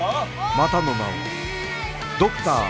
またの名をドクター Ｘ